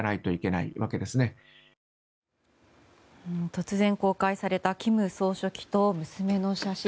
突然公開された金総書記と娘の写真。